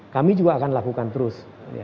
kami juga akan lakukan terus